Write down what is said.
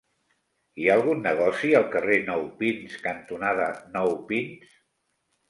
Hi ha algun negoci al carrer Nou Pins cantonada Nou Pins?